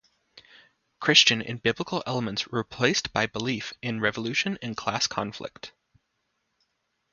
Christian and biblical elements were replaced by belief in revolution and class conflict.